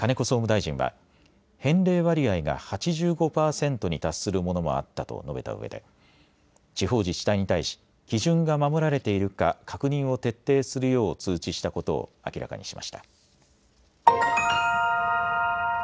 総務大臣は返礼割合が８５％に達するものもあったと述べたうえで地方自治体に対し基準が守られているか確認を徹底するよう通知したことを明らかにしました。